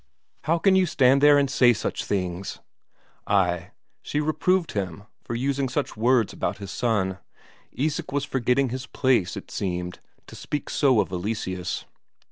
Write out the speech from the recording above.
"How can you stand there and say such things!" Ay, she reproved him for using such words about his son; Isak was forgetting his place, it seemed, to speak so of Eleseus.